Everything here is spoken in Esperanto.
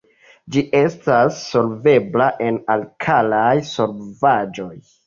Ĝi estas solvebla en alkalaj solvaĵoj.